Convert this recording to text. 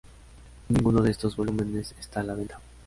Ninguno de estos volúmenes está a la venta.